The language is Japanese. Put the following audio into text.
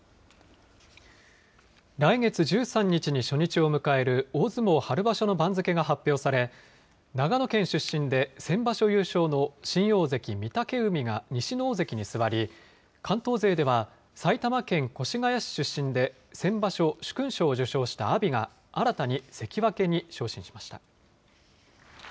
来月１３日に初日を迎える大相撲春場所の番付が発表され、長野県出身で先場所優勝の新大関・御嶽海が西の大関に座り、関東勢では、埼玉県越谷市出身で、先場所、殊勲賞を受賞した阿炎が、新たに関脇に昇進しました。